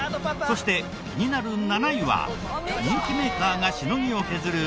そして気になる７位は人気メーカーがしのぎを削る